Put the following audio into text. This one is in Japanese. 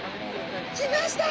来ました。